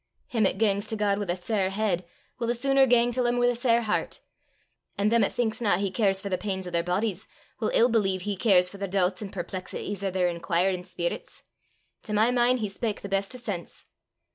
Him 'at gangs to God wi' a sair heid 'ill the suner gang til 'im wi' a sair hert; an' them 'at thinksna he cares for the pains o' their boadies 'ill ill believe he cares for the doobts an' perplexities o' their inquirin' speerits. To my min' he spak the best o' sense!"